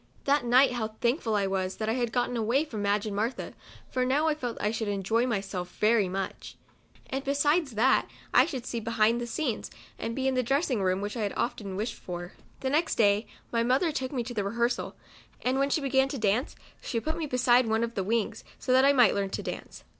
That night how thankful COUNTRY DOLL. 57 I was that I had got away from Madge and Martha, for now I felt I should en joy myself very much ; and besides that, I should see behind the scenes, and be in the dressing room, which I had often wished for. The next clay my mother took me to the rehearsal, and when she began to dance, she put me beside one of the wings, so that I might learn to dance.